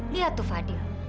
lihat tuh fadil